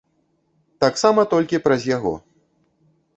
Таксама толькі праз яго.